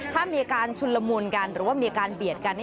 ถ้ามีการชุนละมุนกันหรือว่ามีการเบียดกัน